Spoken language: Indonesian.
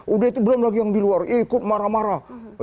udah itu belum lagi yang di luar ikut marah marah